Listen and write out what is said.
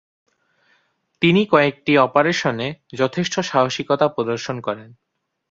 তিনি কয়েকটি অপারেশনে যথেষ্ট সাহসিকতা প্রদর্শন করেন।